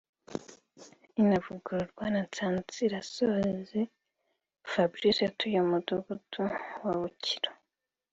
inavuguruzwa na Nsanzirazose Fabrice utuye mu mudugudu wa Bukiro